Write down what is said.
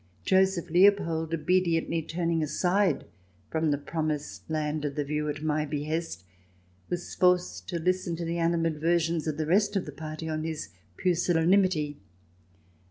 Joseph Leopold, obediently turning aside from the promised land of the view at my behest, was forced to listen to the animadversions of the rest of the party on his pusillanimity.